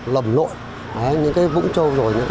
lầm lội những vũng trâu